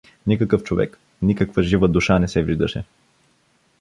Никакъв човек, никаква жива душа не се виждаше.